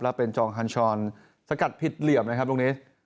แล้วเป็นจองฮันชรสกัดผิดเหลี่ยมนะครับลูกนี้